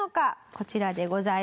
こちらでございます。